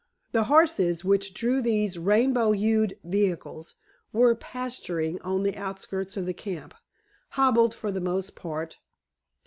The horses, which drew these rainbow hued vehicles, were pasturing on the outskirts of the camp, hobbled for the most part.